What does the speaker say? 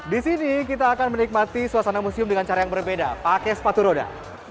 di sini kita akan menikmati suasana museum dengan cara yang berbeda pakai sepatu roda